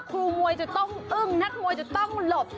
ครูมวยจะต้องอึ้งนักมวยจะต้องหลบ